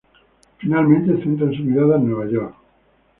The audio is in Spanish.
Finalmente, centran su mirada en Nueva York.